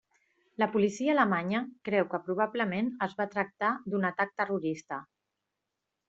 La policia alemanya creu que probablement es va tractar d'un atac terrorista.